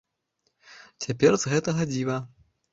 Цяпер з гэтага дзіва.